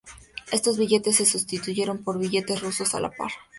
Estos billetes se sustituyeron por billetes rusos a la par.